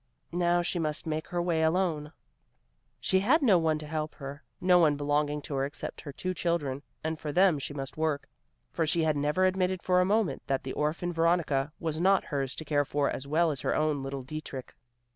Now she must make her way alone; she had no one to help her, no one belonging to her except her two children, and for them she must work, for she never admitted for a moment that the orphaned Veronica was not hers to care for as well as her own little Dietrich.